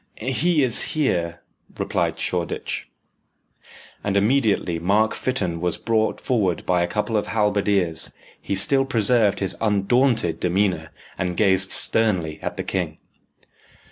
"He is here," replied Shoreditch. And immediately Mark Fytton was brought forward by a couple of halberdiers. He still preserved his undaunted demeanour, and gazed sternly at the king.